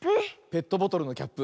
ペットボトルのキャップ。